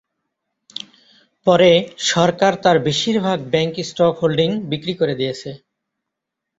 পরে সরকার তার বেশিরভাগ ব্যাংক স্টক হোল্ডিং বিক্রি করে দিয়েছে।